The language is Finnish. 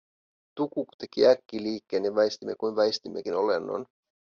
Tukuk teki äkkiliikkeen ja väistimme kuin väistimmekin olennon.